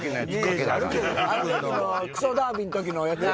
クソダービーの時やつや。